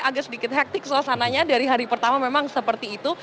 agak sedikit hektik suasananya dari hari pertama memang seperti itu